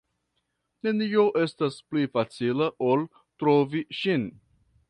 Nenio estas pli facila, ol trovi ŝin.